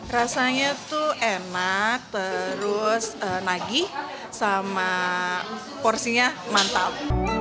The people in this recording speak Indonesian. rasanya tuh enak terus nagih sama porsinya mantap